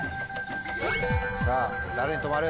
さぁ誰に止まる？